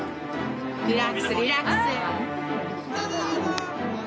リラックスリラックス。